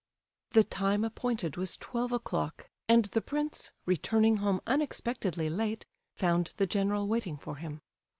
The time appointed was twelve o'clock, and the prince, returning home unexpectedly late, found the general waiting for him.